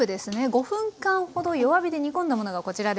５分間ほど弱火で煮込んだものがこちらです。